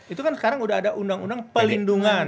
itu kan sekarang udah ada undang undang pelindungan